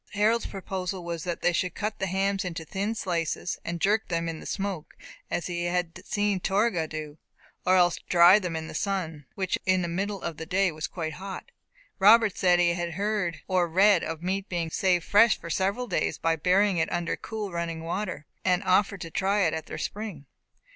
Harold's proposal was that they should cut the hams into thin slices, and jerk them in the smoke, as he had seen Torgah do; or else to dry them in the sun, which in the middle of the day was quite hot. Robert said he had heard or read of meat being saved fresh for several days by burying it under cool running water, and offered to try it at their spring.